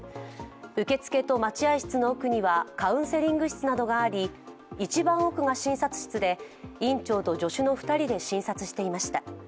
受付と待合室の奥には、カウンセリング室などがあり、一番奥が診察室で、院長と助手の２人で診察していました。